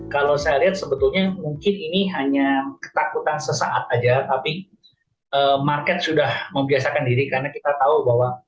kalau saya lihat sebetulnya mungkin ini hanya ketakutan sesaat saja tapi market sudah membiasakan diri karena kita tahu bahwa